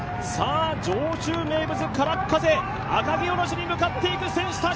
上州名物からっ風、赤城おろしに向かっていく選手たち。